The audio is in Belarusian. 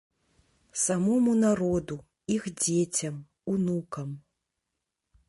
Самому народу, іх дзецям, унукам.